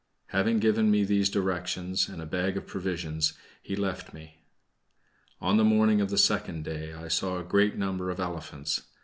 Having given me these directions, and a bag of provisions, he left me. On the morning of the second day, I saw a great number of elephants.